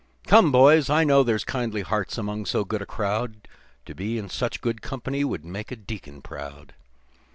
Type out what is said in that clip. "Come, boys, I know there's kindly hearts among so good a crowd To be in such good company would make a deacon proud.